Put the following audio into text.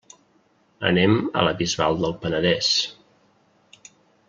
Anem a la Bisbal del Penedès.